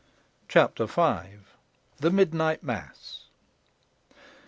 CHAPTER V. THE MIDNIGHT MASS.